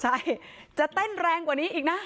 ใช่จะเต้นแรงกว่านี้อีกนะ